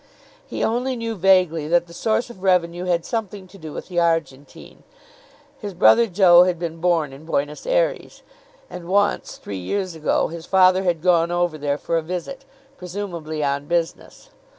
He only knew vaguely that the source of revenue had something to do with the Argentine. His brother Joe had been born in Buenos Ayres; and once, three years ago, his father had gone over there for a visit, presumably on business.